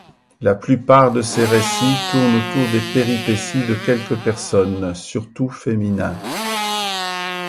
La plupart de ses récits tournent autour des péripéties de quelques personnes surtout féminins.